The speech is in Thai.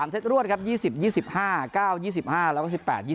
เซตรวดครับ๒๐๒๕๙๒๕แล้วก็๑๘๒๕